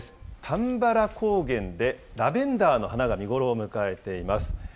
玉原高原でラベンダーの花が見頃を迎えています。